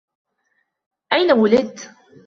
اين ولدت ؟